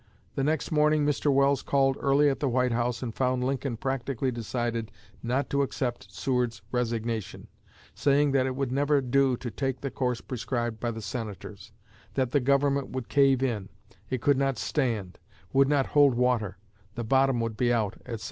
The next morning Mr. Welles called early at the White House and found Lincoln practically decided not to accept Seward's resignation, saying that it would never do to take the course prescribed by the Senators; that "the Government would cave in; it could not stand would not hold water; the bottom would be out," etc.